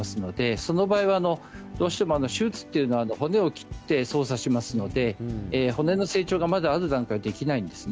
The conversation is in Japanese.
その場合は手術というのは骨を切ってやりますので骨の成長がある段階ではできないんですね。